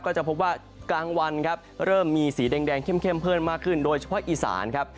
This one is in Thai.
ก็จะพบว่ากลางวันครับเริ่มมีสีแดงเข้มเพิ่มมากขึ้นโดยเฉพาะอีสานครับ